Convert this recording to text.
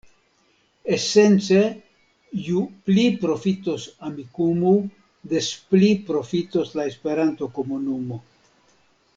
Esence, ju pli profitos Amikumu, des pli profitos la Esperanto-komunumo.